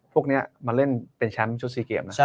พวกนี้มาเล่นเป็นแชมป์ชุด๔เกมนะครับ